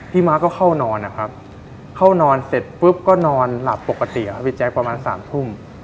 ม้าก็เข้านอนนะครับเข้านอนเสร็จปุ๊บก็นอนหลับปกติครับพี่แจ๊คประมาณ๓ทุ่ม